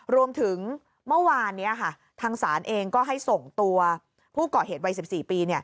รวมถึงเมื่อวานนี้ทางศาลเองก็ให้ส่งตัวผู้เกาะเหตุวัย๑๔ปี